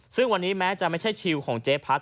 ซึ่งวันนี้แม้จะไม่ใช่ชิลของเจ๊พัด